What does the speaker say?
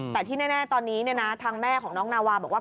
แต่ที่แน่ตอนนี้ทางแม่ของน้องนาวาบอกว่า